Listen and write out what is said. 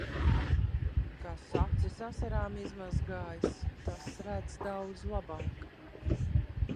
Kas acis asarām izmazgājis, tas redz daudz labāk.